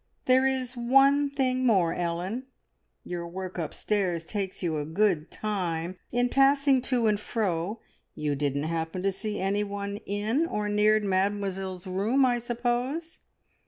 There is one thing more, Ellen. Your work upstairs takes you a good time. In passing to and fro, you didn't happen to see anyone in or near Mademoiselle's room, I suppose?